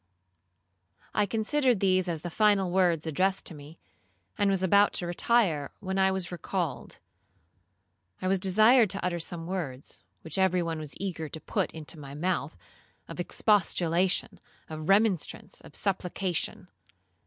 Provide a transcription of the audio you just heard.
I considered these as the final words addressed to me, and was about to retire, when I was recalled. I was desired to utter some words, which every one was eager to put into my mouth, of expostulation, of remonstrance, of supplication.